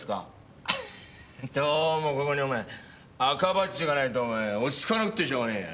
ハハどうもここにお前赤バッジがないとお前落ち着かなくってしょうがねえや。